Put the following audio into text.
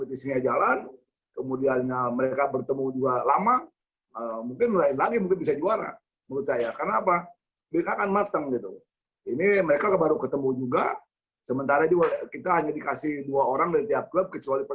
tim tim tim tim tim